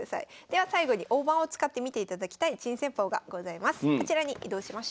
では最後に大盤を使って見ていただきたい珍戦法がございます。